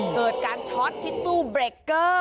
เกิดการช็อตพิตุเบเกอร์